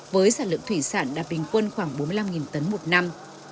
với sản lượng thủy sản đạt bình quân khoảng bốn mươi năm tấn một năm